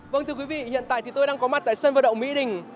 vâng thưa quý vị hiện tại thì tôi đang có mặt tại sân vận động mỹ đình